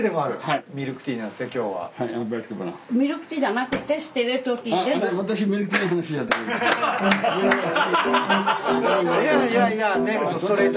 いやいやいやねっ。